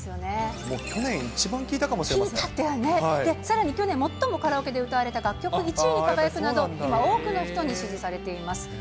もう去年、さらに去年、最もカラオケで歌われた楽曲１位に輝くなど、今、多くの人に支持されています。